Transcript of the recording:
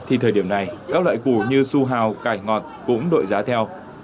thì thời điểm này các loại củ như su hào cải ngọt cũng đội giá theo